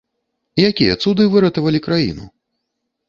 Якія цуды выратавалі краіну?